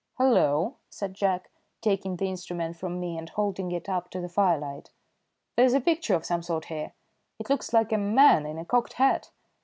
"Hullo!" said Jack, taking the instrument from me and holding it up to the firelight. "There's a picture of some sort here. It looks like a man in a cocked hat."